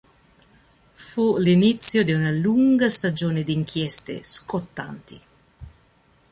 Fu l'inizio di una lunga stagione di inchieste "scottanti".